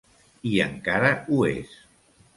I encara ho és.